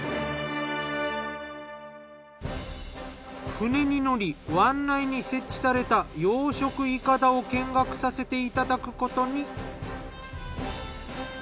船に乗り湾内に設置された養殖いかだを見学させていただくことに。